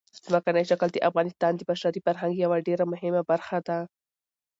ځمکنی شکل د افغانستان د بشري فرهنګ یوه ډېره مهمه برخه ده.